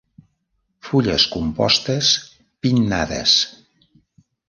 Fulles compostes pinnades.